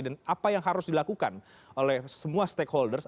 dan apa yang harus dilakukan oleh semua stakeholders